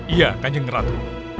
iya kanjeng ratu